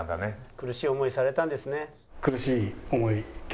「苦しい思いされたんですね」。